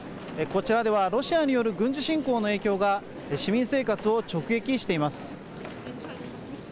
こちらではロシアによる軍事侵攻の影響が市民生活を直撃しています。